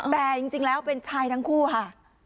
แต่จริงแล้วเป็นชายทั้งคู่ค่ะ